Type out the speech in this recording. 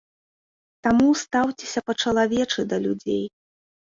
Таму стаўцеся па-чалавечы да людзей.